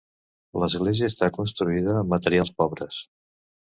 L'església està construïda amb materials pobres.